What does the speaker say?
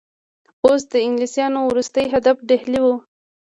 اوس د انګلیسیانو وروستی هدف ډهلی وو.